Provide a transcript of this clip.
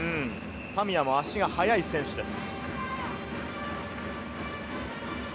田宮も足が速い選手です。